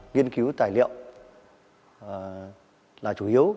nghiên cứu tài liệu là chủ yếu